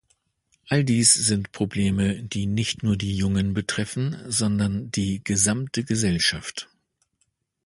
All das sind Probleme, die nicht nur die Jungen betreffen, sondern die gesamte Gesellschaft.